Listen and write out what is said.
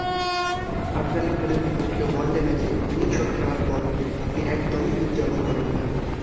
আফগানিস্তানের বিপক্ষে ওয়ানডে ম্যাচে উইনিং শট খেলার পর আপনি একদমই উদ্যাপন করেননি।